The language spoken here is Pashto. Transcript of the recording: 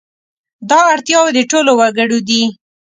دا اړتیاوې د ټولو وګړو دي.